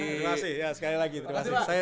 terima kasih sekali lagi